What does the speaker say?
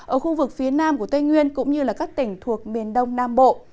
ở khu vực phía nam của tây nguyên cũng như các tỉnh thuộc miền đông nam bộ